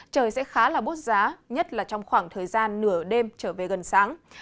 trời sẽ khá là bút giá nhất là trong khoảng thời gian nửa đêm trở về gần sáng